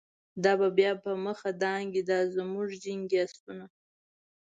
دا به بیا په مخه دانګی، دازموږ جنګی آسونه